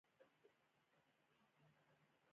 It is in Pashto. حکومت ته نږدې ستر پانګوال له ملاتړه برخمن وو.